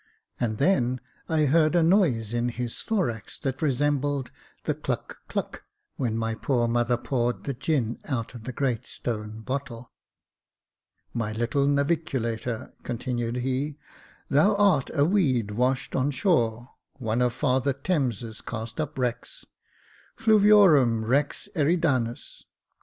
And then I heard a noise in his thorax that resembled the "cluck cluck" when my poor mother poured the gin out of the great stone bottle. " My little navllculator," continued he, " thou art a weed washed on shore, one of Father Thames' cast up wrecks. *■ Fluviorum rex Eridanus?